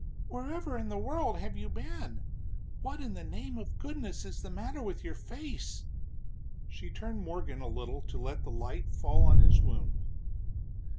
"Wherever in the world have you been? What in the name of goodness is the matter with your face?" She turned Morgan a little to let the light fall on his wound.